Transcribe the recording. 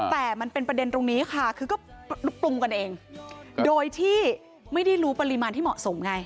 แต่มันเป็นประเด็นตรงนี้ค่ะคือก็ปรุงกันเองโดยที่ไม่ได้รู้ปริมาณที่เหมาะสมไง